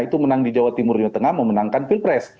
itu menang di jawa timur jawa tengah memenangkan pilpres